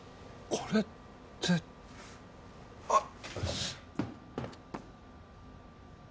これってあっ！